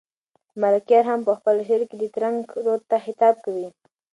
ملکیار هم په خپل شعر کې ترنک رود ته خطاب کوي.